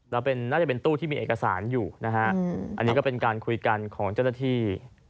แล้วน่าจะเป็นตู้ที่มีเอกสารอยู่นะฮะอันนี้ก็เป็นการคุยกันของเจ้าหน้าที่